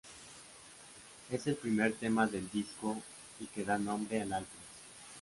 Es el primer tema del disco y que da nombre al álbum.